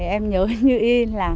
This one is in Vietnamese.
em nhớ như y là